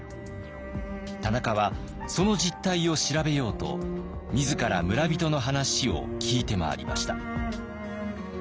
田中はその実態を調べようと自ら村人の話を聞いて回りました。